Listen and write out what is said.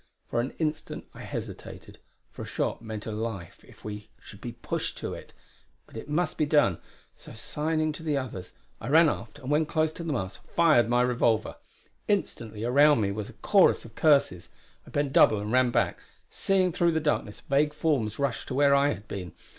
For an instant I hesitated, for a shot meant a life if we should be pushed to it. But it must be done; so signing to the others I ran aft and when close to the mast fired my revolver. Instantly around me was a chorus of curses. I bent double and ran back, seeing through the darkness vague forms rush to where I had been.